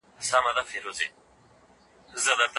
حکومت د بهرنیو اتباعو د ملکیتونو غصب ته اجازه نه ورکوي.